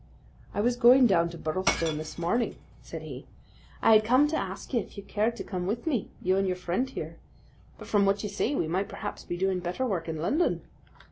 "I was going down to Birlstone this morning," said he. "I had come to ask you if you cared to come with me you and your friend here. But from what you say we might perhaps be doing better work in London."